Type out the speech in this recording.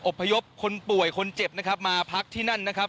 พยพคนป่วยคนเจ็บนะครับมาพักที่นั่นนะครับ